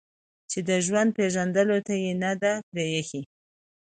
چې د ژوند پېژندلو ته يې نه ده پرېښې